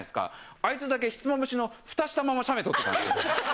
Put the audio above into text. あいつだけ、ひつまぶしのふたしたまま写メ撮ってたんですよ。